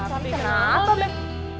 tapi kenapa beb